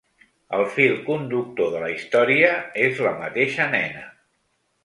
El fil conductor de la història és la mateixa nena.